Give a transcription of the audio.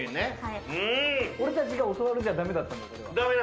俺たちが教わるじゃだめだったんだ。